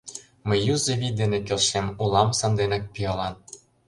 Мый юзо вий дене келшем, Улам санденак пиалан.